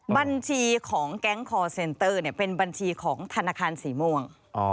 บัญชีของแก๊งคอร์เซนเตอร์เป็นบัญชีของธนาคารสีม่วง